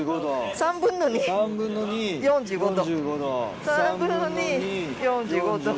３分の２４５度。